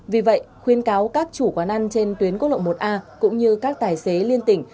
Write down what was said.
vì vậy khuyên cáo các chủ quán ăn trên tuyến quốc lộ một a cũng như các tài xế liên tỉnh